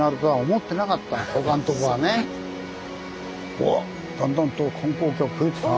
うわっだんだんと観光客増えてきたな。